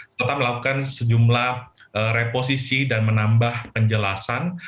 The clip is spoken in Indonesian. selain itu melakukan sejumlah reposisi dan menambah penjelasan